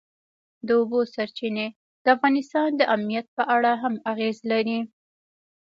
د اوبو سرچینې د افغانستان د امنیت په اړه هم اغېز لري.